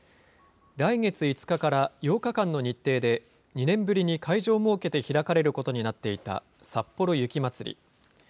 来月５日から８日間の日程で、２年ぶりに会場を設けて開かれることになっていた、さっぽろ雪まつり。